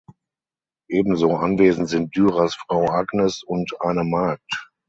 Ebenso anwesend sind Dürers Frau Agnes und eine Magd.